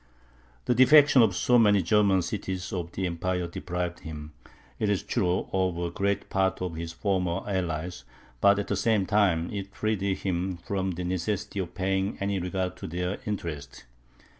The defection of so many German cities of the empire deprived him, it is true, of a great part of his former allies, but at the same time it freed him from the necessity of paying any regard to their interests.